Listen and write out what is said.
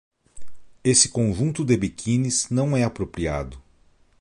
Esse conjunto de biquínis não é apropriado